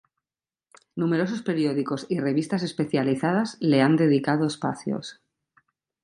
Numerosos periódicos y revistas especializadas le han dedicado espacios.